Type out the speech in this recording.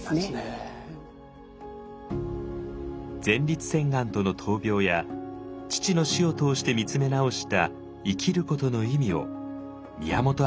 前立腺がんとの闘病や父の「死」を通して見つめ直した「生きることの意味」を宮本亞